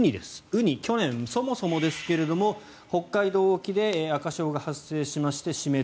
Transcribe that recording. ウニ、去年そもそもですが北海道沖で赤潮が発生しまして死滅。